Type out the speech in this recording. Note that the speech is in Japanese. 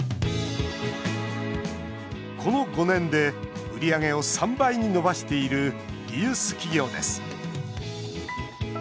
この５年で売り上げを３倍に伸ばしているリユース企業です。